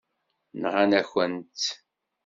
Nɣan-akent-tt.